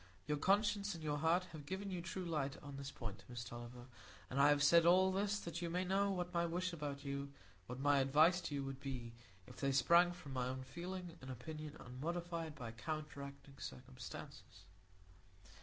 Your conscience and your heart have given you true light on this point, Miss Tulliver; and I have said all this that you may know what my wish about you—what my advice to you—would be, if they sprang from my own feeling and opinion unmodified by counteracting circumstances."